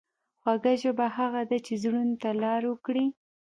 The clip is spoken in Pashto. خوږه ژبه هغه ده چې زړونو ته لار وکړي.